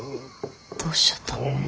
どうしちゃったの。